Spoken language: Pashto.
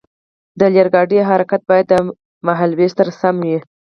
د اورګاډي حرکت باید د مهال ویش سره سم وي.